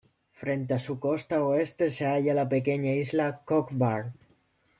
Frente a su costa oeste se halla la pequeña isla Cockburn.